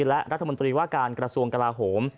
และรัฐมนตรีว่าการกระทรวงกลาโหม